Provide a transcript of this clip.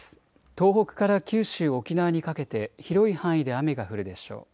東北から九州、沖縄にかけて広い範囲で雨が降るでしょう。